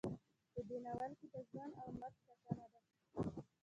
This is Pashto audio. په دې ناول کې د ژوند او مرګ ټاکنه ده.